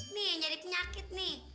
nih jadi penyakit nih